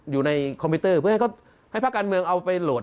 อยู่ในคอมพิวเตอร์เพื่อให้ภาคการเมืองเอาไปโหลด